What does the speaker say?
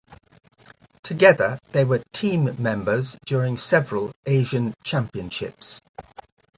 Together they were team members during several Asian Championships.